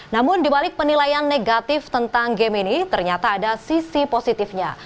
namun dibalik penilaian negatif tentang game ini ternyata ada sisi positifnya